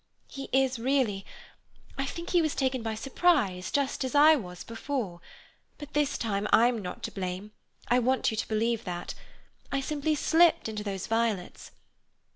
"He is really—I think he was taken by surprise, just as I was before. But this time I'm not to blame; I want you to believe that. I simply slipped into those violets.